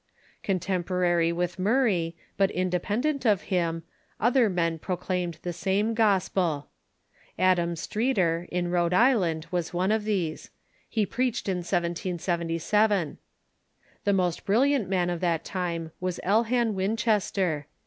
Contemporary with Murray, but independent of him, other men proclaimed the same gospel. Adam Streeter, in Rhode Island, was one of these. He preached in 1777. The most brilliant man of that time was Elhanan Winchester.